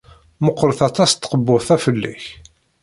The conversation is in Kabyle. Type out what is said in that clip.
Meɣɣret aṭas tkebbuḍt-a fell-ak.